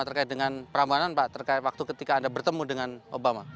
terkait dengan perambanan pak terkait waktu ketika anda bertemu dengan obama